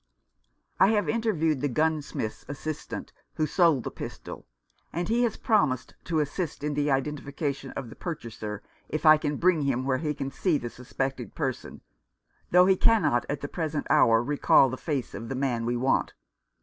I have interviewed the gunsmith's assistant who sold the pistol, and he has promised to assist in the identification of the purchaser if I can bring him where he can see the suspected person, though he cannot at this present hour recall the face of the man we want.